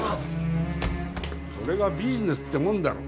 それがビジネスってもんだろ